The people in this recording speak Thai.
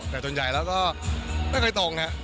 แต่จนใหญ่แล้วก็ไม่เคยตรงน่ะ